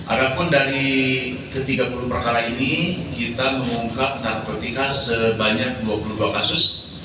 ada pun dari ke tiga puluh perkara ini kita mengungkap narkotika sebanyak dua puluh dua kasus